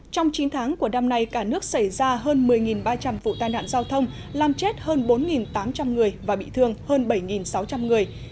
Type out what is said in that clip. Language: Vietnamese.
trong chín tháng của năm nay cả nước xảy ra hơn một mươi ba trăm linh vụ tai nạn giao thông làm chết hơn bốn tám trăm linh người và bị thương hơn bảy sáu trăm linh người